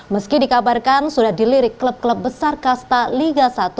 meski dikabarkan sudah dilirik klub klub besar kasta liga satu